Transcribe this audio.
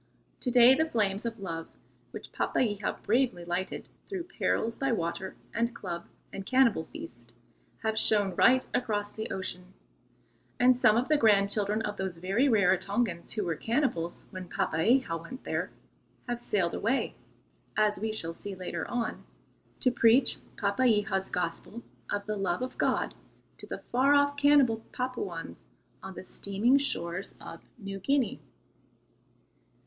To day the flames of love which Papeiha bravely lighted, through perils by water and club and cannibal feast, have shone right across the ocean, and some of the grandchildren of those very Rarotongans who were cannibals when Papeiha went there, have sailed away, as we shall see later on, to preach Papeiha's gospel of the love of God to the far off cannibal Papuans on the steaming shores of New Guinea.